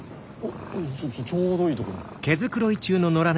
ちょちょうどいいとこに。